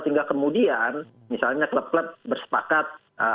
sehingga kemudian misalnya klub klub bersepakat